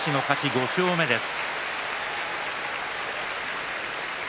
５勝目です。